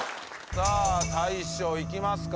さあ大昇いきますか？